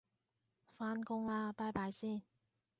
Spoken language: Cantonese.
返工喇拜拜先